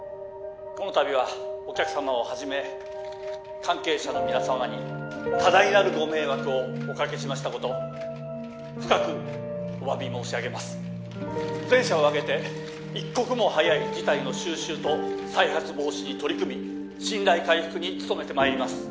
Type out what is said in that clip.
この度はお客様をはじめ関係者の皆様に多大なるご迷惑をおかけしましたこと深くお詫び申し上げます全社を挙げて一刻も早い事態の収拾と再発防止に取り組み信頼回復に努めてまいります